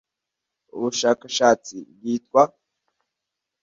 ubushakashatsi bwitwa